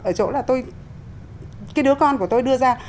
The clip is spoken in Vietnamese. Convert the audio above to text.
ở chỗ là tôi cái đứa con của tôi đưa ra